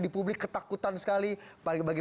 di publik ketakutan sekali bagi